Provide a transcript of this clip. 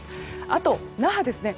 あと、那覇ですね。